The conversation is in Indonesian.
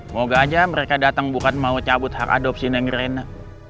moga aja mereka datang bukan mau cabut hak adopsi neng rena